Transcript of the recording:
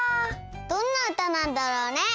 どんなうたなんだろうね？